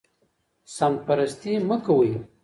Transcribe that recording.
سمت پرستي مه کوئ.